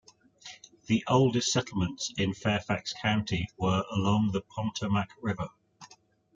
The oldest settlements in Fairfax County were along the Potomac River.